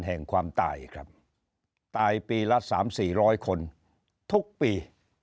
แห่งความตายครับตายปีละสามสี่ร้อยคนทุกปี